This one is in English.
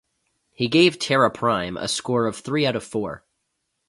He gave "Terra Prime" a score of three out of four.